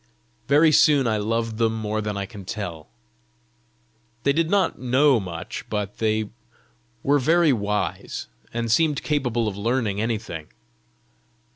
Very soon I loved them more than I can tell. They did not know much, but they were very wise, and seemed capable of learning anything.